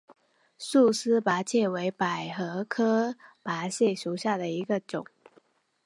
束丝菝葜为百合科菝葜属下的一个种。